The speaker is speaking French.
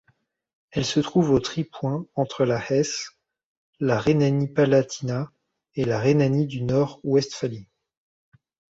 Elle se trouve au tripoint entre la Hesse, la Rhénanie-Palatinat et la Rhénanie-du-Nord-Westphalie.